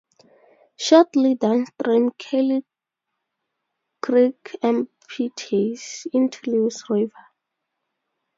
Shortly downstream Curly Creek empties into Lewis River.